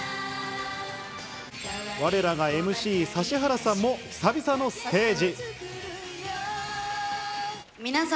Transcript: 我らがＭＣ指原さんも久々のステージ。